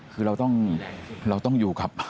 คือเราต้องอยู่กับ